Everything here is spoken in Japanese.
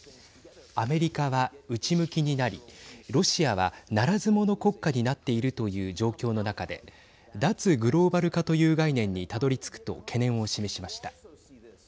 アメリカは内向きになりロシアはならず者国家になっているという状況の中で脱グローバル化という概念にたどり着くと懸念を示しました。